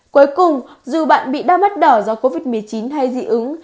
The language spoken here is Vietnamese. cuối cùng dù bạn bị đau mắt đỏ do covid một mươi chín hay dị ứng